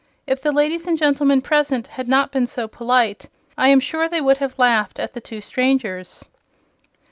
If the ladies and gentlemen present had not been so polite I am sure they would have laughed at the two strangers.